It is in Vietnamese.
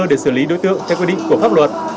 để xử lý đối tượng theo quy định của pháp luật